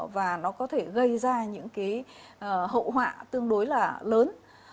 và nó có thể gây ra những cái hậu họa tương đối là lớn